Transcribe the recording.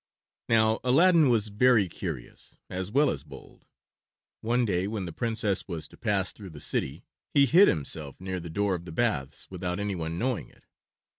Now Aladdin was very curious, as well as bold. One day when the Princess was to pass through the city he hid himself near the door of the baths without anyone knowing it.